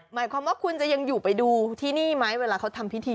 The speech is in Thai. หมายความว่าคุณจะยังอยู่ไปดูที่นี่ไหมเวลาเขาทำพิธี